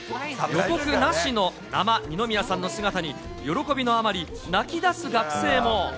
予告なしの生二宮さんの姿に、喜びのあまり、泣きだす学生も。